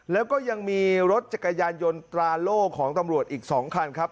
แล้วก็ยังมีรถจักรยานยนต์ตราโล่ของตำรวจอีก๒คันครับ